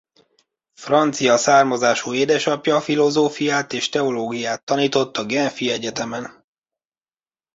Francia származású édesapja filozófiát és teológiát tanított a Genfi Egyetemen.